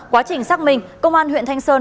quá trình xác minh công an huyện thanh sơn